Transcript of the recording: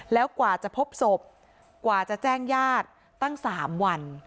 แล้วกว่าจะพบศพกว่าจะแจ้งญาติตั้ง๓วัน